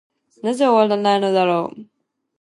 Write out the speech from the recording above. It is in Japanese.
なぜ終わないのだろう。